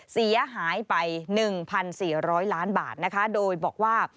เสียหายไป๑๔๐๐ล้านบาทนะคะโดยบอกว่า